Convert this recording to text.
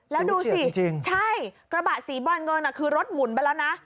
แล้วดูสิใช่กระบะสีบรอนเงินคือรถหมุนไปแล้วนะ